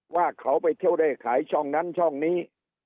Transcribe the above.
ว่าเขาไปเที่ยวเร่ขายช่องนั้นช่องนี้